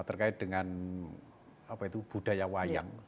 terkait dengan apa itu budaya wayang